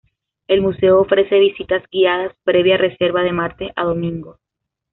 El museo ofrece visitas guiadas previa reserva de martes a domingo.